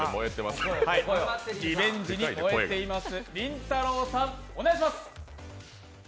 リベンジに燃えています。